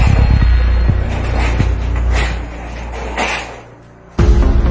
ไม่ได้มากเลยนะครับ